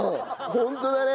ホントだね。